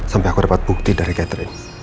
sampai aku dapat bukti dari catherine